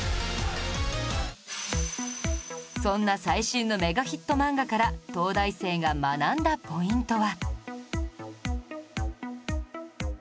そんな最新のメガヒット漫画から東大生が学んだポイントは